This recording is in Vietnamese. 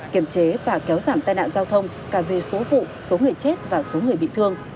kiểm chế và kéo giảm tai nạn giao thông cả về số vụ số người chết và số người bị thương